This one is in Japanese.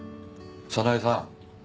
早苗さん。